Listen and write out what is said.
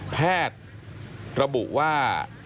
แพทย์ระบุว่า